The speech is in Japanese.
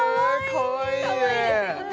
かわいいね！